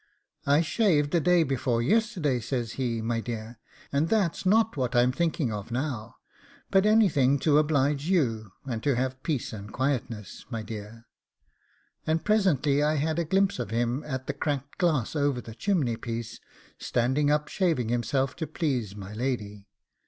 'I shaved the day before yesterday,' said he, 'my dear, and that's not what I'm thinking of now; but anything to oblige you, and to have peace and quietness, my dear' and presently I had a glimpse of him at the cracked glass over the chimney piece, standing up shaving himself to please my lady.